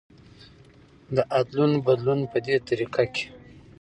د ادلون بدلون په دې طريقه کې